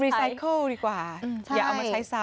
ไซเคิลดีกว่าอย่าเอามาใช้ซ้ำ